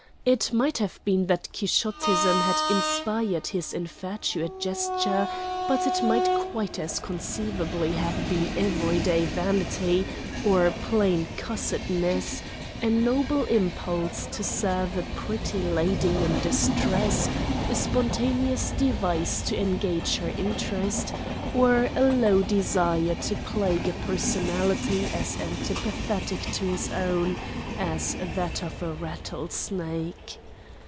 It might have been that quixotism had inspired his infatuate gesture, but it might quite as conceivably have been everyday vanity or plain cussedness: a noble impulse to serve a pretty lady in distress, a spontaneous device to engage her interest, or a low desire to plague a personality as antipathetic to his own as that of a rattlesnake.